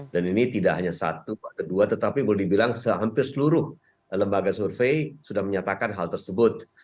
dan ini tidak hanya satu ada dua tetapi boleh dibilang sehampir seluruh lembaga survei sudah menyatakan hal tersebut